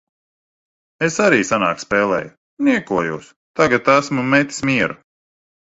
Es arī senāk spēlēju. Niekojos. Tagad esmu metis mieru.